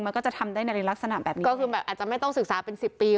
มันก็จะทำได้ในลักษณะแบบนี้ก็คือแบบอาจจะไม่ต้องศึกษาเป็นสิบปี